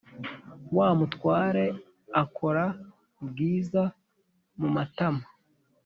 wamutware akora bwiza mumatama